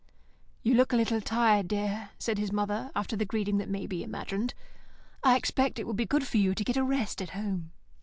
"You look a little tired, dear," said his mother, after the greetings that may be imagined. "I expect it will be good for you to get a rest at home."